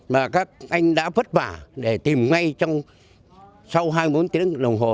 mà các anh đã vất vả để tìm ngay trong sau hai mươi bốn tiếng đồng hồ